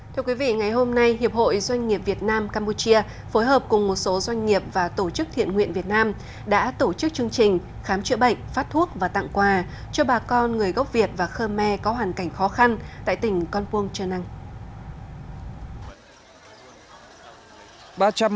thưa quý vị ngày hôm nay hiệp hội doanh nghiệp việt nam campuchia phối hợp cùng một số doanh nghiệp và tổ chức thiện nguyện việt nam đã tổ chức chương trình khám chữa bệnh phát thuốc và tặng quà cho bà con người gốc việt và khơ me có hoàn cảnh khó khăn tại tỉnh con puông trần năng